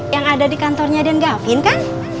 yang ada di kantornya den gavin kan